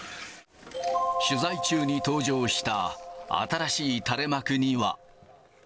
取材中に登場した、新しい垂れ幕には。